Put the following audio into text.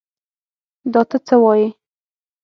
تۀ دا څه وايې ؟